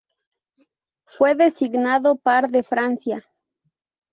Fue designado par de Francia.